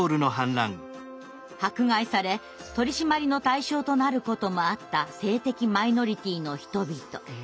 迫害され取り締まりの対象となることもあった性的マイノリティーの人々。